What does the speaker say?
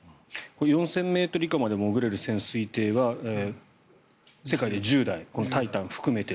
４０００ｍ以下まで潜れる潜水艇は世界で１０台「タイタン」を含めて。